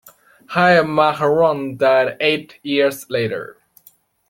Haim Aharon died eight years later.